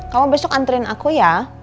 kamu besok antrian aku ya